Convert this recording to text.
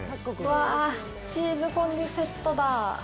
わ、チーズホンデュセットだ。